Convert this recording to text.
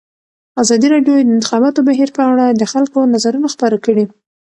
ازادي راډیو د د انتخاباتو بهیر په اړه د خلکو نظرونه خپاره کړي.